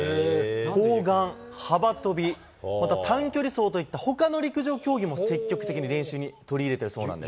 砲丸、幅跳び、また短距離走といった、ほかの陸上競技も積極的に練習に取り入れてるそうです。